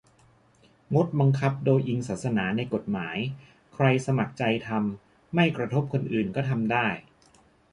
- งดบังคับโดยอิงศาสนาในกฎหมาย ใครสมัครใจทำ-ไม่กระทบคนอื่น ก็ทำได้